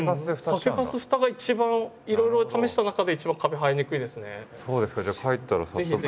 酒かすフタが一番いろいろ試した中では一番カビ生えにくいですね。